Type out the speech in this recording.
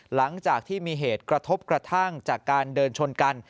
หลังจากที่มีเหตุกระทบกระทั่งจากการเดินชนกัน